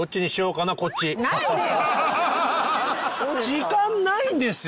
時間ないんですよ